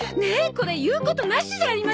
これ言うことなしじゃありません？